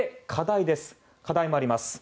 課題もあります。